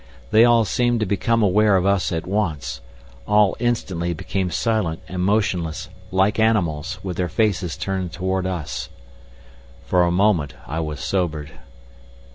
They all seemed to become aware of us at once, all instantly became silent and motionless, like animals, with their faces turned towards us. For a moment I was sobered.